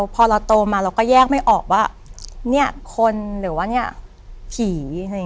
พอเราโตมาเราก็แยกไม่ออกว่าเนี่ยคนหรือว่าเนี่ยผี